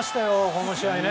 この試合。